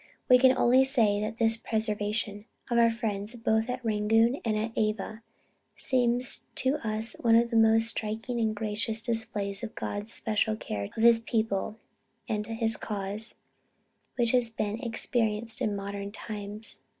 We can only say that the preservation of our friends both at Rangoon and at Ava, seems to us one of the most striking and gracious displays of God's special care of his people and his cause, which has been experienced in modern times.